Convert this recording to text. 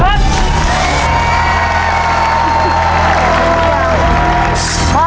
ตัวเองก็ถูกครับ